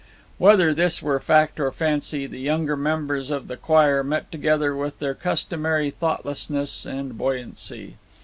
Whether this were fact or fancy, the younger members of the choir met together with their customary thoughtlessness and buoyancy.